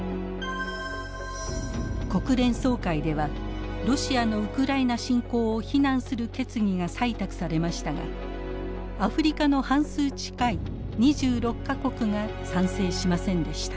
国連総会ではロシアのウクライナ侵攻を非難する決議が採択されましたがアフリカの半数近い２６か国が賛成しませんでした。